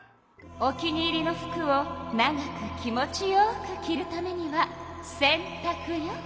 お気に入りの服を長く気持ちよく着るためには洗たくよ。